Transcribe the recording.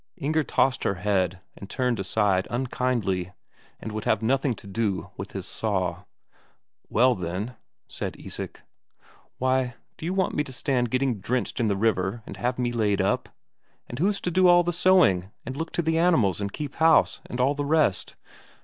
Inger tossed her head and turned aside unkindly, and would have nothing to do with his saw. "Well, then " said Isak. "Why, do you want me to stand getting drenched in the river and have me laid up? And who's to do all the sewing, and look to the animals and keep house, and all the rest?"